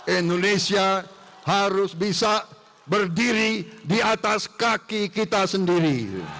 indonesia harus bisa berdiri di atas kaki kita sendiri